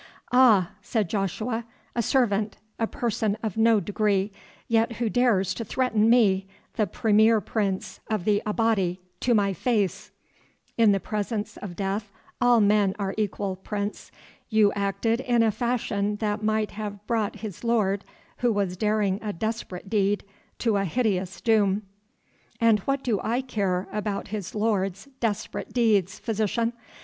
"Ah!" said Joshua, "a servant, a person of no degree, who yet dares to threaten me, the premier prince of the Abati, to my face." "In the presence of death all men are equal, Prince. You acted in a fashion that might have brought his lord, who was daring a desperate deed, to a hideous doom." "And what do I care about his lord's desperate deeds, Physician?